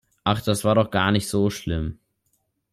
Ach, das war doch gar nicht so schlimm!